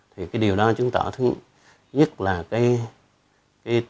thì cái điều đó chứng tỏ thứ nhất là cái